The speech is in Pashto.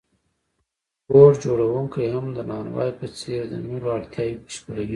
بوټ جوړونکی هم د نانوای په څېر د نورو اړتیاوې بشپړوي